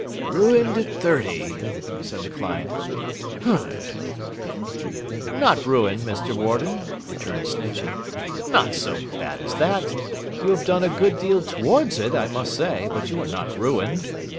'Ruined at thirty!' said the client. 'Humph!' 'Not ruined, Mr. Warden,' returned Snitchey. 'Not so bad as that. You have done a good deal towards it, I must say, but you are not ruined.